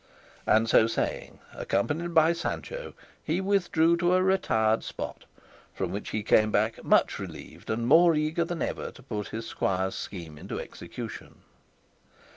And so saying, accompanied by Sancho, he withdrew to a retired spot, from which he came back much relieved and more eager than ever to put his squire's scheme into execution.